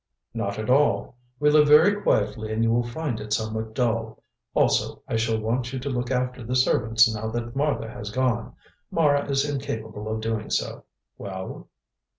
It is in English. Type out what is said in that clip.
"Not at all. We live very quietly and you will find it somewhat dull. Also, I shall want you to look after the servants now that Martha has gone. Mara is incapable of doing so. Well?"